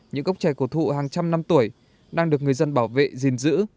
những gốc trẻ cổ thụ hàng trăm năm tuổi đang được người dân bảo vệ gìn giữ